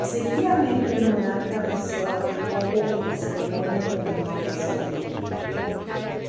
Seguidamente el monarca besó a Jacobo y la ceremonia terminó oficialmente.